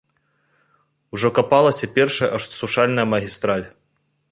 Ужо капалася першая асушальная магістраль.